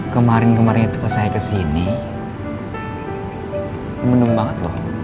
kemarin kemarin itu pas saya kesini mendung banget loh